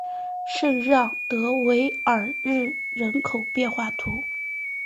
圣让德韦尔日人口变化图示